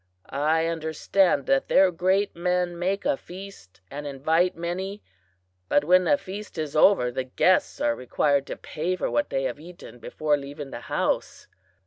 I understand that their great men make a feast and invite many, but when the feast is over the guests are required to pay for what they have eaten before leaving the house.